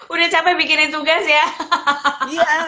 udah capek bikinin tugas ya